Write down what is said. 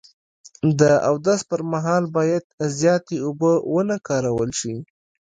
د اودس پر مهال باید زیاتې اوبه و نه کارول شي.